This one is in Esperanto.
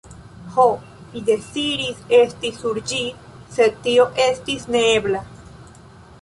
Ho! mi deziris esti sur ĝi, sed tio estis neebla.